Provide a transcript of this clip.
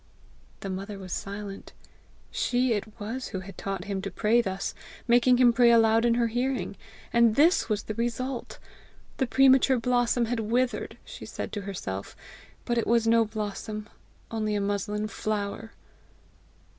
The mother was silent: she it was who had taught him to pray thus making him pray aloud in her hearing! and this was the result! The premature blossom had withered! she said to herself. But it was no blossom, only a muslin flower!